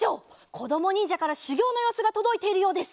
こどもにんじゃからしゅぎょうのようすがとどいているようです。